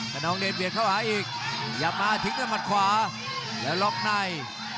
ขนองเดชเบียดเข้าหาอีกอย่ามาทิ้งด้วยมัดขวาแล้วล็อกใน